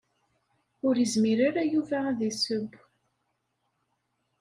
Ur izmir ara Yuba ad isseww.